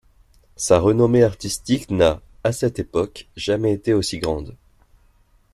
Sa renommée artistique n'a, à cette époque, jamais été aussi grande.